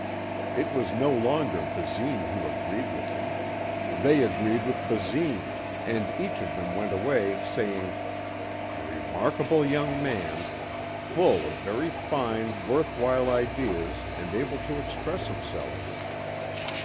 It was no longer Basine who agreed with them. They agreed with Basine and each of them went away saying, "A remarkable young man. Full of very fine, worthwhile ideas and able to express himself."